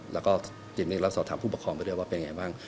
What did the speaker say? แล้วสอบถามผู้ประคองไปด้วยว่าเป็นไงบ้าง